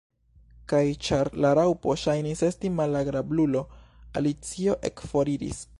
Kaj ĉar la Raŭpo ŝajnis esti malagrablulo, Alicio ekforiris.